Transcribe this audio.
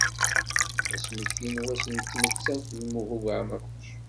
Asmekti n wass n tmettant n Lmuhub Ɛemruc.